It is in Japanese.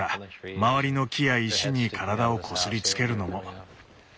周りの木や石に体をこすりつけるのも。